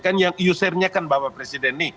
kan yang user nya bapak presiden